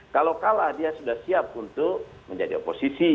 kalau kalah dia sudah siap untuk menjadi oposisi